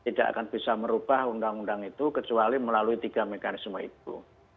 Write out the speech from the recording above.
tidak akan bisa merubah undang undang itu kecuali melalui tiga mekanisme itu